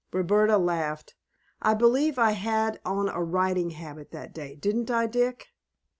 Roberta laughed. "I believe I had on a riding habit that day, didn't I, Dick?"